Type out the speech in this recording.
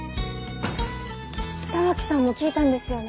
北脇さんも聞いたんですよね？